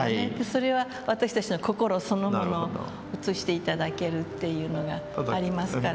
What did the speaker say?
それは私たちの心そのものを映して頂けるっていうのがありますから。